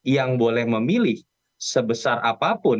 yang boleh memilih sebesar apapun